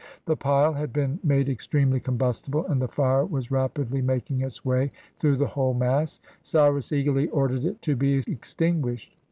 The pile had been made extremely combustible, and the fire was rapidly making its way through the whole mass. Cyrus eagerly ordered it to be extinguished.